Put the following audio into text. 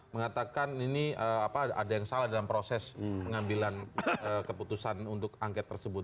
mengatakan ini ada yang salah dalam proses pengambilan keputusan untuk angket tersebut